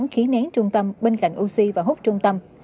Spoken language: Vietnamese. khí nén trung tâm bên cạnh oxy và hút trung tâm